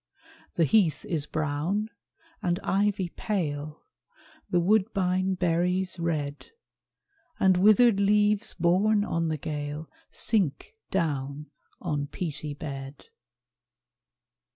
The heath is brown, and ivy pale, The woodbine berries red, And withered leaves borne on the gale Sink down on peaty bed.